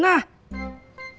ntar gue suruh cukurin dia